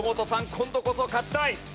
今度こそ勝ちたい。